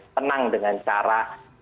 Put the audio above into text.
tenang dengan cara